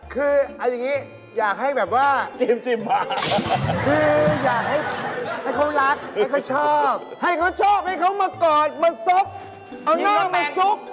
คือเอาอย่างนี้อยากให้แบบว่าจิมมาคืออยากให้เขารักให้เขาชอบให้เขาชอบให้เขามากอดมาซุกเอาหน้ามาซุก